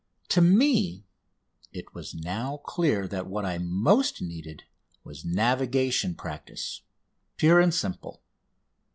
To me it was now clear that what I most needed was navigation practice pure and simple.